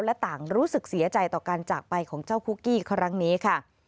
และต่างรู้สึกเสียใจต่อการจากไปของเจ้าคุกกี้ครั้งนี้ค่ะ